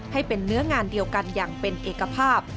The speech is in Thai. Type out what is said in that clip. ให้เป็นเนื้องานเดียวกันอย่างเป็นเอกภาพ